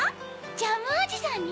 ジャムおじさんに？